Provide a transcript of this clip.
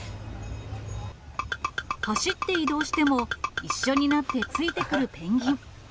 走って移動しても一緒になってついてくるペンギン。